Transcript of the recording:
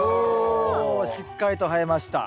しっかりと生えました。